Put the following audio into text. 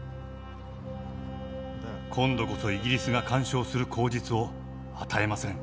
今度こそイギリスが干渉する口実を与えません。